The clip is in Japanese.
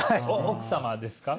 奥様ですか？